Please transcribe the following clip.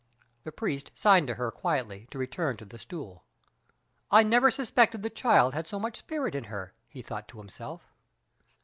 The priest signed to her quietly to return to the stool. "I never suspected the child had so much spirit in her," he thought to himself.